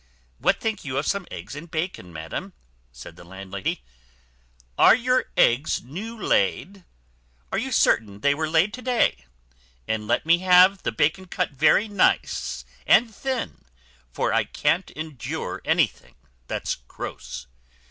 "What think you of some eggs and bacon, madam?" said the landlady. "Are your eggs new laid? are you certain they were laid to day? and let me have the bacon cut very nice and thin; for I can't endure anything that's gross.